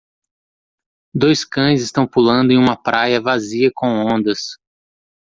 Dois cães estão pulando em uma praia vazia com ondas.